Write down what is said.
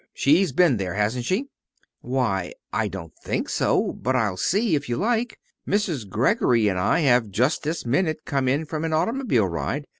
She's been there, hasn't she?" "Why, I don't think so, but I'll see, if you like. Mrs. Greggory and I have just this minute come in from an automobile ride.